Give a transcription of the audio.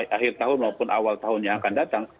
akhir tahun maupun awal tahun yang akan datang